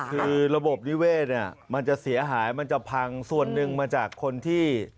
คือระบบนิเวศเนี่ยมันจะเสียหายมันจะพังส่วนหนึ่งมาจากคนที่